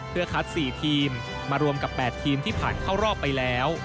เพื่อคัด๔ทีมมารวมกับ๘ทีมที่ผ่านเข้ารอบไปแล้ว